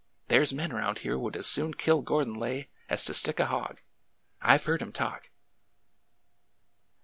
''There 's men around here would as soon kill Gordon Lay as to stick a hawg. I 've heard 'em talk